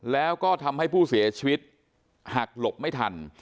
แล้วก็ทำให้ผู้เสียชีวิตหักหลบไม่ทัน